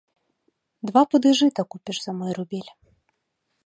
Два пуды жыта купіш за мой рубель.